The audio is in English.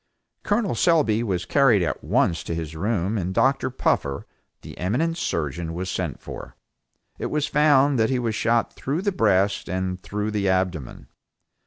Col. Selby was carried at once to his room and Dr. Puffer, the eminent surgeon was sent for. It was found that he was shot through the breast and through the abdomen.